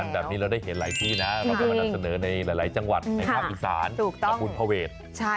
แบบนี้เราได้เห็นหลายที่นะเราก็มานำเสนอในหลายจังหวัดในภาคอีสานทำบุญภเวท